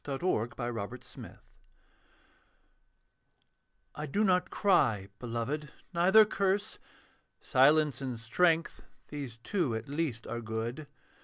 THE UNPARDONABLE SIN I do not cry, beloved, neither curse. Silence and strength, these two at least are good.